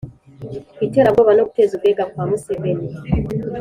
iterabwoba no guteza ubwega kwa museveni